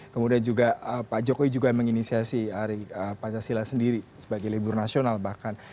kemudian juga pak jokowi juga menginisiasi hari pancasila sendiri sebagai libur nasional bahkan